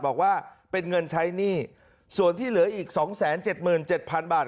บอกว่าเป็นเงินใช้หนี้ส่วนที่เหลืออีก๒๗๗๐๐บาท